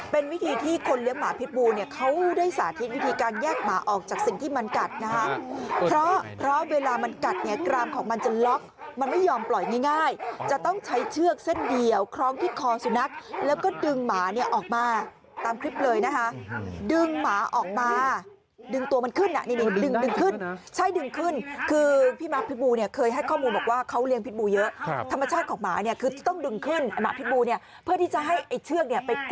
เป็นวิธีที่คนเลี้ยงหมาเพชรบูเนี้ยเขาได้สาธิตวิธีการแยกหมาออกจากสิ่งที่มันกัดนะฮะเพราะเพราะเวลามันกัดเนี้ยกรามของมันจะล็อกมันไม่ยอมปล่อยง่ายง่ายจะต้องใช้เชือกเส้นเดี่ยวคล้องที่คอสุนัขแล้วก็ดึงหมาเนี้ยออกมาตามคลิปเลยนะฮะดึงหมาออกมาดึงตัวมันขึ้นน่ะนี่ดึงดึงขึ้นใช่ดึงขึ้นค